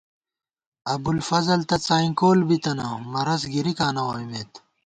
ابُوالفضل تہ څائیں کول بِتَنہ ، مرض گِرِکاں نہ ووئیمېت